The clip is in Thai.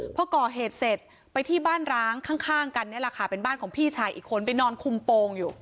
พอก่อเหตุเสร็จไปที่บ้านร้างข้างกันนี่แหละค่ะเป็นบ้านของพี่ชายอีกคนไปนอนคุมโปรงอยู่